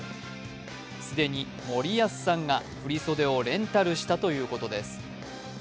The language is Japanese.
既に森保さんが振り袖をレンタルしたということです。